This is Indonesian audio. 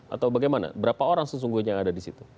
atau bagaimana berapa orang sesungguhnya yang ada di situ